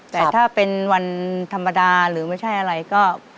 แต่ถ้าเป็นวันธรรมดาหรือไม่ใช่อะไรก็